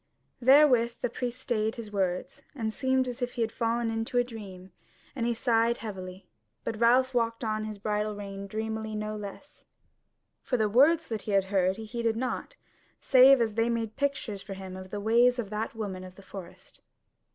Therewith the priest stayed his words, and seemed as if he were fallen into a dream; and he sighed heavily. But Ralph walked on by his bridle rein dreamy no less; for the words that he had heard he heeded not, save as they made pictures for him of the ways of that woman of the forest.